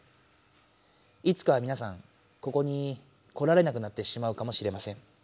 いつかはみなさんここに来られなくなってしまうかもしれません。